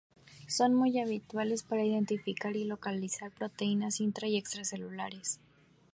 Son muy habituales para identificar y localizar proteínas intra y extracelulares.